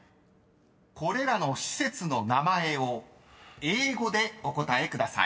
［これらの施設の名前を英語でお答えください］